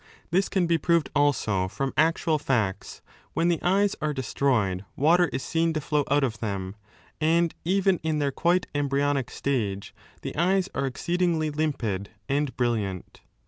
^ This can be proved also from actual facts. When the eyes are destroyed water is seen to flow out of them, and even in their quite embryonic stage the eyes are exceedingly limpid and brilliant.